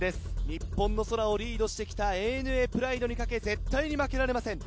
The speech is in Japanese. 日本の空をリードして来たＡＮＡプライドに懸け絶対に負けられません。